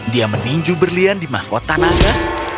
dia meninjau berlian di mahkota naga